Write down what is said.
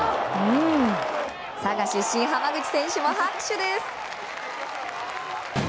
佐賀出身、濱口選手も拍手です。